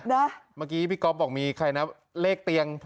เมื่อกี้พี่ก๊อฟบอกมีใครนะเลขเตียง